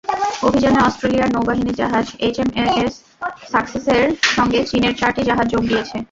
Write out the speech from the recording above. অভিযানে অস্ট্রেলিয়ার নৌবাহিনীর জাহাজ এইচএমএএস সাকসেসের সঙ্গে চীনের চারটি জাহাজ যোগ দিয়েছে।